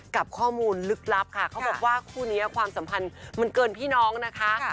กับข้อมูลลึกลับค่ะเขาบอกว่าคู่นี้ความสัมพันธ์มันเกินพี่น้องนะคะ